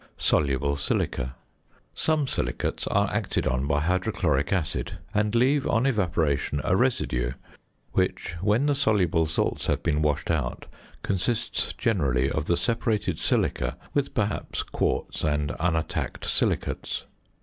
~Soluble Silica.~ Some silicates are acted on by hydrochloric acid, and leave on evaporation a residue; which, when the soluble salts have been washed out, consists generally of the separated silica with perhaps quartz and unattacked silicates.